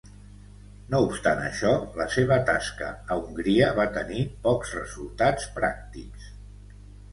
No obstant això, la seva tasca a Hongria va tenir pocs resultats pràctics.